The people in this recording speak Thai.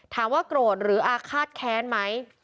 ถามว่าโกรธหรืออาฆาตแค้นไหม